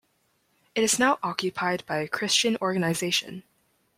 It is now occupied by a Christian organization.